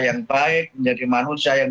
yang baik menjadi manusia yang